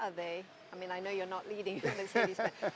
saya tahu anda tidak memimpin mercedes benz